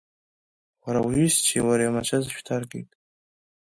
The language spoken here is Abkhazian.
Уара уҩызцәеи уареи амацәаз шәҭаркит.